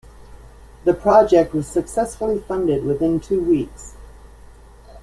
The project was successfully funded within two weeks.